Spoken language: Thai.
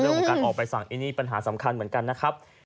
เรื่องของการออกไปสั่งอันนี้ปัญหาสำคัญเหมือนกันนะครับ